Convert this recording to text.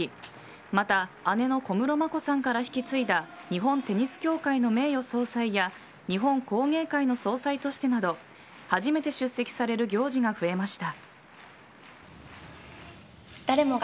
また、姉の小室眞子さんから引き継いだ日本テニス協会の名誉総裁や日本工芸会の総裁としてなど初めて出席される行事が増えました。